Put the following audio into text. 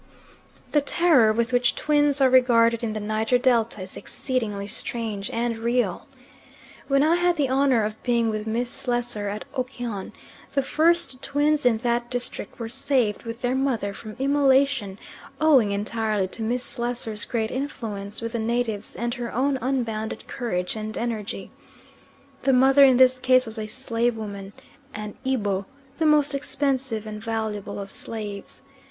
The terror with which twins are regarded in the Niger Delta is exceedingly strange and real. When I had the honour of being with Miss Slessor at Okyon, the first twins in that district were saved with their mother from immolation owing entirely to Miss Slessor's great influence with the natives and her own unbounded courage and energy. The mother in this case was a slave woman an Eboe, the most expensive and valuable of slaves.